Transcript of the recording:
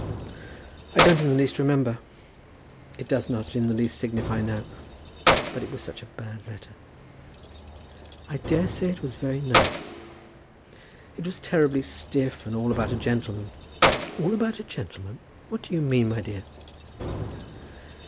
"I don't in the least remember. It does not in the least signify now, but it was such a bad letter." "I daresay it was very nice." "It was terribly stiff, and all about a gentleman." "All about a gentleman! What do you mean, my dear?"